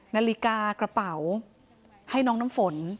นาฬิกากระเป๋าให้น้องน้ำฝน